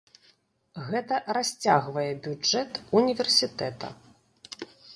Гэта расцягвае бюджэт універсітэта.